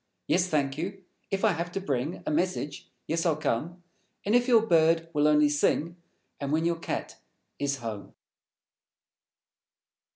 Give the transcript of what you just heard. Yes, thank you! If I Have to Bring A message, yes, I'll come; And if your Bird will only Sing; And when your Cat is home.